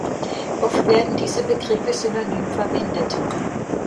Oft werden diese Begriffe synonym verwendet.